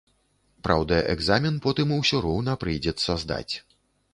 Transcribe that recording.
Праўда, экзамен потым усё роўна прыйдзецца здаць.